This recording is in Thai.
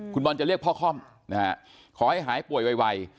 คุณบอลจะเรียกพ่อค่อมนะฮะขอให้หายป่วยไว